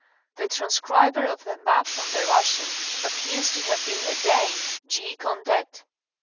The transcriber of the map from the Russian appears to have been a Dane, G. Kondet.